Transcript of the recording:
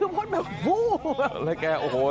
พ่นแบบฟู้ววว